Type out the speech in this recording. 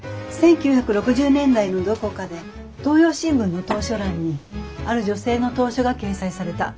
１９６０年代のどこかで東洋新聞の投書欄にある女性の投書が掲載された。